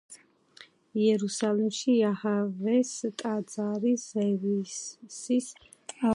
იერუსალიმში იაჰვეს ტაძარი ზევსის ტაძრად გადააქცია, რამაც იუდეველთა აჯანყება გამოიწვია.